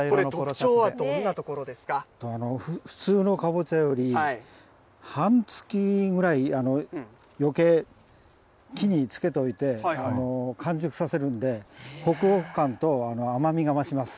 これ、普通のかぼちゃより、半月ぐらいよけい、木につけといて、完熟させるんで、ほくほく感と甘みが増します。